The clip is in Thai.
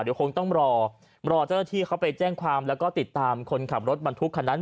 เดี๋ยวคงต้องรอรอเจ้าหน้าที่เขาไปแจ้งความแล้วก็ติดตามคนขับรถบรรทุกคันนั้น